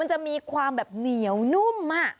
จะมีความแบบเหนียวนุ่ม